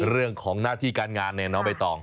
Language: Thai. เรื่องของหน้าที่การงานเนี่ยน้องใบตอง